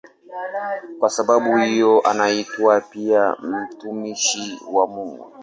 Kwa sababu hiyo anaitwa pia "mtumishi wa Mungu".